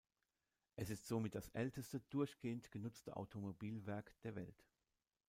Es ist somit das älteste durchgehend genutzte Automobilwerk der Welt.